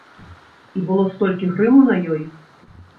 І было столькі грыму на ёй!